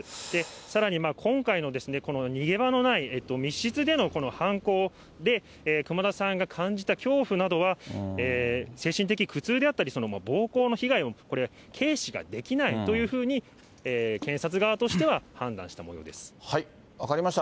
さらに、今回のこの逃げ場のない密室での犯行で、熊田さんが感じた恐怖などは、精神的苦痛であったり、暴行の被害も軽視ができないというふうに検察側としては判断した分かりました。